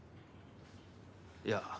いや。